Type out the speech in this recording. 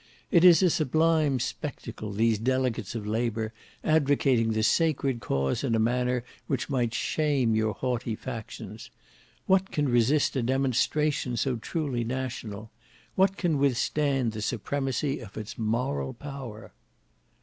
It is a sublime spectacle, these delegates of labour advocating the sacred cause in a manner which might shame your haughty factions. What can resist a demonstration so truly national! What can withstand the supremacy of its moral power!"